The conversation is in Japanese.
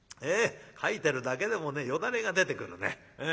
書いてるだけでもねよだれが出てくるね。